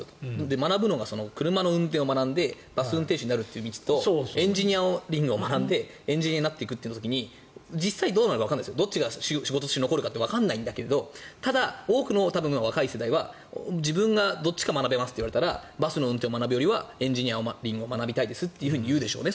学ぶのが車の運転を学んでバス運転手になるのとエンジニアリングを学んでエンジニアになっていく時にどっちが仕事として残るかはわからないんだけどただ、多くの若い世代は自分がどっちか学べますと言われたらバスの運転を学ぶよりはエンジニアリングを学びたいと言うでしょうね。